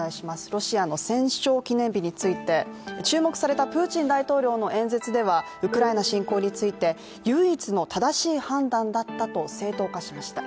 ロシアの戦勝記念日について、注目されたプーチン大統領の演説ではウクライナ侵攻について唯一の正しい判断だったと正当化しました。